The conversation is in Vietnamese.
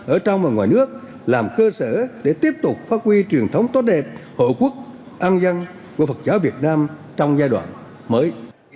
ở trong và ngoài nước làm cơ sở để tiếp tục phát huy truyền thống tốt đẹp hội quốc an dân của phật giáo việt nam trong giai đoạn mới